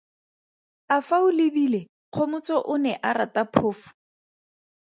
A fa o lebile Kgomotso o ne a rata Phofu?